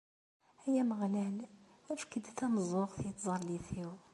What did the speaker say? Ay Ameɣlal, efk-d tameẓẓuɣt i tẓallit-iw!